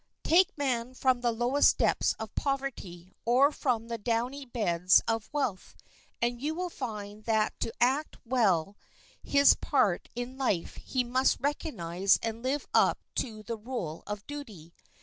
Take man from the lowest depths of poverty or from the downy beds of wealth, and you will find that to act well his part in life he must recognize and live up to the rule of duty.